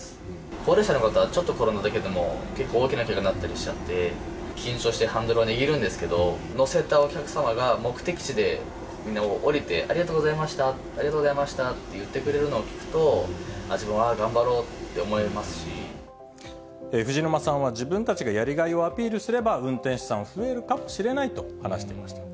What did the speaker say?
高齢者の方はちょっと転んだだけでも結構、大きなけがになったりしちゃって、緊張してハンドルを握るんですけど、乗せたお客様が目的地でみんな降りて、ありがとうございました、ありがとうございましたって言ってくれるのを聞くと、自分もああ、藤沼さんは、自分たちがやりがいをアピールすれば、運転手さんも増えるかもしれないと話していました。